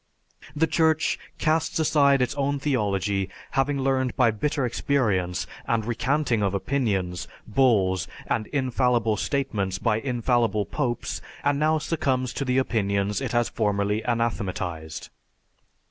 The Church casts aside its own theology, having learned by bitter experience and recanting of opinions, bulls, and infallible statements by infallible popes, and now succumbs to the opinions it has formerly anathematized.